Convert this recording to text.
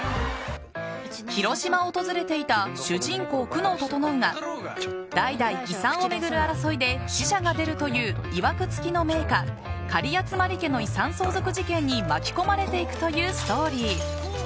広島を訪れていた主人公・久能整が代々、遺産を巡る争いで死者が出るといういわく付きの名家・狩集家の遺産相続事件に巻き込まれていくというストーリー。